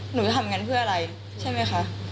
หนูจะทำอย่างนั้นเพื่ออะไรใช่ไหมคะ